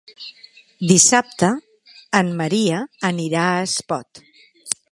Dissabte en Maria anirà a Espot.